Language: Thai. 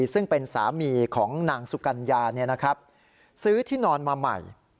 ซึ่งเป็นสามีของนางสุกัญญาซื้อที่นอนมาใหม่